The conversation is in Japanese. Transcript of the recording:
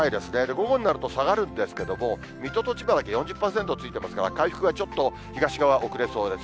午後になると、下がるんですけども、水戸と千葉だけ４０％ついてますから、回復はちょっと東側、遅れそうです。